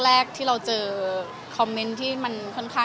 หรือกลัวจะแสดงเป็นที่แบบ